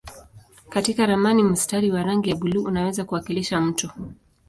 Katika ramani mstari wa rangi ya buluu unaweza kuwakilisha mto.